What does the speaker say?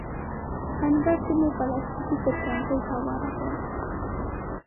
انګړ کې مو پلاستیکي سترنجۍ هواره کړه.